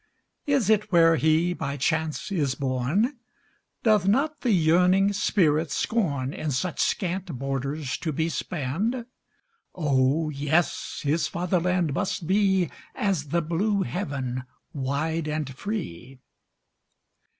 Is it where he by chance is born? Doth not the yearning spirit scorn In such scant borders to be spanned? O, yes! his fatherland must be As the blue heaven wide and free!